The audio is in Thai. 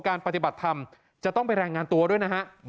ปฏิบัติธรรมจะต้องไปรายงานตัวด้วยนะฮะ